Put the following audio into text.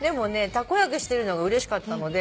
たこ揚げしてるのがうれしかったので。